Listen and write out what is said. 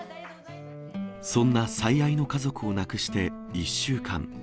そんな最愛の家族を亡くして１週間。